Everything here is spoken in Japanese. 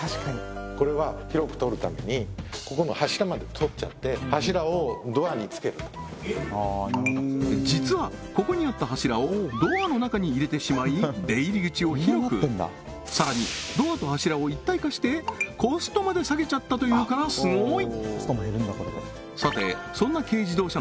これは実はここにあった柱をドアの中に入れてしまい出入口を広くさらにドアと柱を一体化してコストまで下げちゃったというからスゴい！